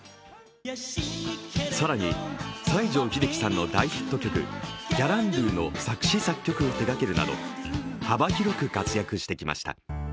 更に、西城秀樹さんの大ヒット曲「ギャランドゥ」の作詞作曲を手がけるなど、幅広く活躍してきました。